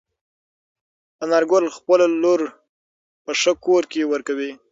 انارګل خپله لور په ښه کور کې ورکوي.